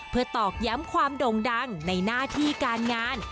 เพื่อตอกย้ำความโด่งดังในหน้าที่การงาน